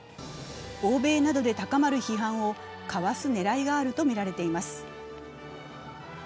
欧米などで高まる批判をかわす狙いがあるとみられています。